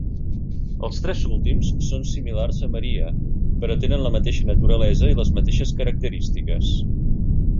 Els tres últims són similars a Maria, però tenen la mateixa naturalesa i les mateixes característiques.